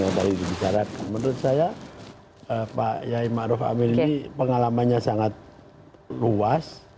jadi secara menurut saya pak yai ma'ruf amin ini pengalamannya sangat luas